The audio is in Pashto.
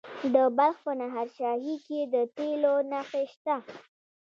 د بلخ په نهر شاهي کې د تیلو نښې شته.